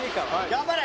頑張れ！